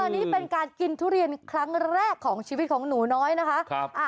นี่เป็นการกินทุเรียนครั้งแรกของชีวิตของหนูน้อยนะคะ